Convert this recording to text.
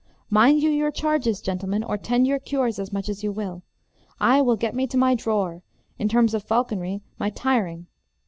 Mind you your charges, gentlemen, or tend your cures as much as you will. I will get me to my drawer; in terms of falconry, my tiring.